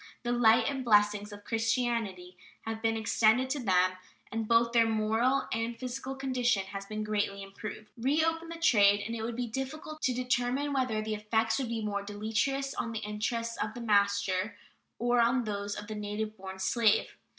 The light and the blessings of Christianity have been extended to them, and both their moral and physical condition has been greatly improved. Reopen the trade and it would be difficult to determine whether the effect would be more deleterious on the interests of the master or on those of the native born slave.